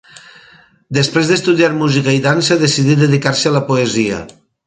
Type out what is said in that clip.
Després d'estudiar música i dansa, decidí dedicar-se a la poesia.